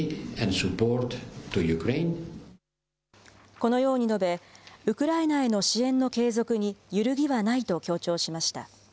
このように述べ、ウクライナへの支援の継続に揺るぎはないと強調しました。